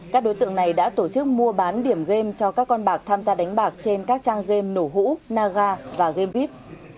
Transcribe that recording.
các đối tượng này đã tổ chức mua bán điểm game cho các con bạc tham gia đánh bạc trên các trang game nổ hũ naga và gamevip